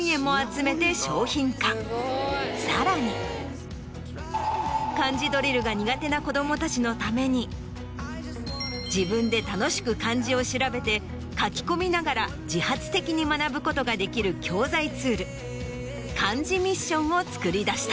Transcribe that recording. さらに漢字ドリルが苦手な子供たちのために自分で楽しく漢字を調べて書き込みながら自発的に学ぶことが出来る教材ツール漢字ｍｉｓｓｉｏｎを作り出した。